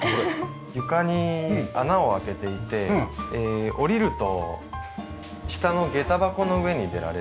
床に穴を開けていて下りると下のげた箱の上に出られる。